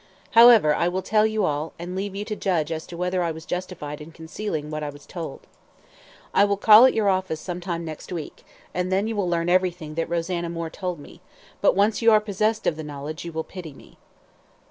However, I will tell you all, and leave you to judge as to whether I was justified in concealing what I was told. I will call at your office some time next week, and then you will learn everything that Rosanna Moore told me; but once that you are possessed of the knowledge you will pity me."